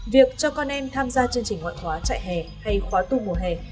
việc cho con em tham gia chương trình ngoại khóa chạy hè hay khóa tu mùa hè